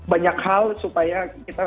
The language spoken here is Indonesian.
banyak hal supaya